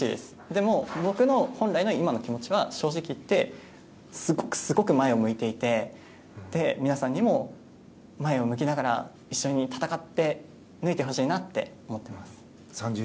でも、僕の本来の今の気持ちは正直いってすごくすごく前を向いていて皆さんにも前を向きながら一緒に戦い抜いてほしいなって思っています。